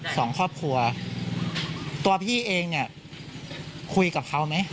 สองครอบครัวตัวพี่เองเนี่ยคุยกับเขาไหม